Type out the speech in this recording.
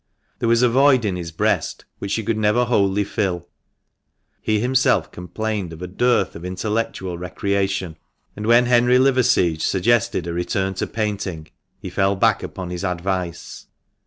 There was a void in his breast which she could never wholly fill ; he himself complained of a dearth of intellectual recreation, and when Henry Liverseege suggested a return to painting, he fell back upon his advice.